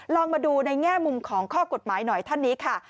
ลองมาดูในแง่มุมของข้อกฎหมายหน่อยท่านนี้ค่ะ